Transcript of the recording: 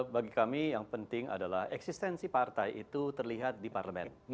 bagi kami yang penting adalah eksistensi partai itu terlihat di parlemen